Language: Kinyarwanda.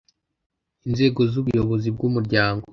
inzego z ubuyobozi bw umuryango